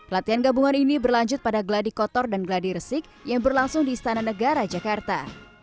latihan gabungan ini berlanjut pada gladi kotor dan gladi resik yang berlangsung di istana negara jakarta